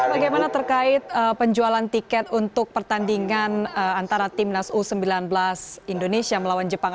bagaimana terkait penjualan tiket untuk pertandingan antara timnas u sembilan belas indonesia melawan jepang